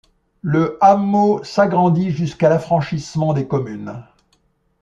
Le hameau s’agrandit jusqu’à l’affranchissement des communes.